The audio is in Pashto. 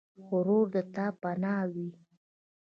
ورور د تا پناه وي.